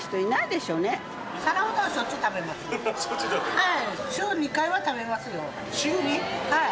はい。